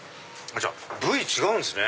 部位違うんですね。